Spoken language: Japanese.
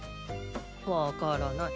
わからない。